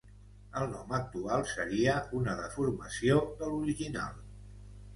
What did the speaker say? El nom actual seria una deformació de l'original.